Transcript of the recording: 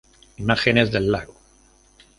Imágenes del Lago